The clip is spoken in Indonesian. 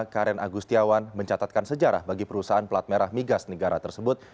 karen agustiawan mencatatkan sejarah bagi perusahaan pelat merah migas negara tersebut